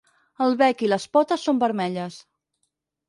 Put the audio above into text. El bec i les potes són vermelles.